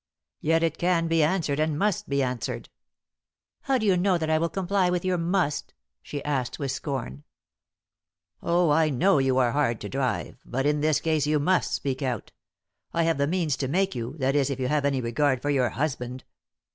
"Yet it can be answered, and must be, answered." "How do you know that I will comply with your 'must'?" she asked, with scorn. "Oh, I know you are hard to drive, but in this case you must speak out. I have the means to make you, that is if you have any regard for your husband."